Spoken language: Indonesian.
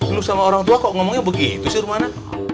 lu sama orang tua kok ngomongnya begitu sih rumahna